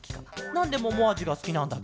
なんでももあじがすきなんだケロ？